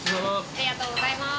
ありがとうございます。